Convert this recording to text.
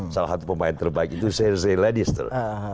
salah satu pemain terbaik itu sergei lannister